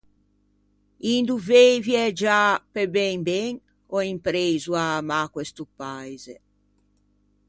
In dovei viægiâ pe ben ben, ò impreiso à amâ questo paise.